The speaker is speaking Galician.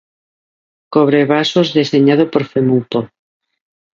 Cobrevasos deseñado por Femupo.